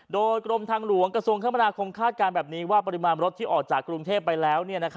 โดยกรมทางหลวงกระทรวงคมนาคมคาดการณ์แบบนี้ว่าปริมาณรถที่ออกจากกรุงเทพไปแล้ว